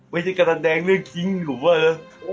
ไม่ใช่การแสดงเรื่องจริงหรือเปล่าเออ